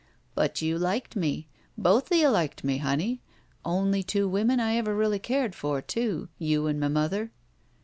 "But you liked me. Both of you liked me, honey. Only two women I ever really cared for, too. You and m' mother."